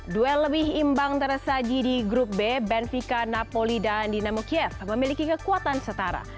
duel lebih imbang tersaji di grup b benvika napoli dan dinamo kiev memiliki kekuatan setara